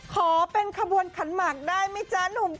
ขอเป็นขบวนขันหมักได้มั้ยจ๊ะหนุ่มพก